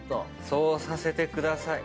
そうさせてください。